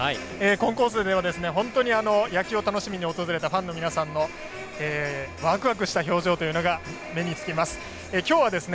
コンコースでは本当に野球を楽しみに訪れたファンの皆さんのワクワクした表情というのが目に付きます。